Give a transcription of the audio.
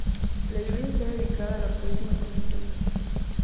La iglesia está dedicada a La Purísima Concepción.